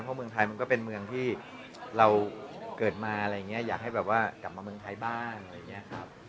เพราะเมืองไทยมันก็เป็นเมืองที่เราเกิดมาอะไรอย่างนี้อยากให้แบบว่ากลับมาเมืองไทยบ้างอะไรอย่างนี้ครับ